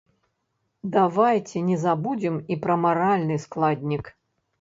Давайце не забудзем і пра маральны складнік.